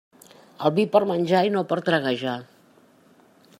El vi per menjar i no per traguejar.